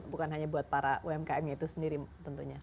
bukan hanya buat para umkm itu sendiri tentunya